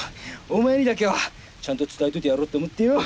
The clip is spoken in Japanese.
お前にだけはちゃんと伝えておいてやろうと思ってよ。